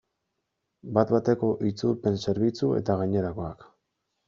Bat-bateko itzulpen zerbitzu eta gainerakoak.